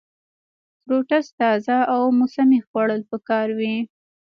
فروټس تازه او موسمي خوړل پکار وي -